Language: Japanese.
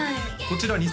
こちら